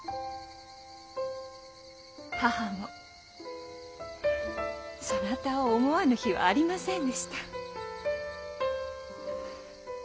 母もそなたを思わぬ日はありませんでした。